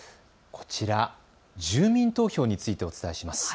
こちら、住民投票についてお伝えします。